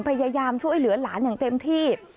พยายามช่วยเหลือหลานอย่างเต็มที่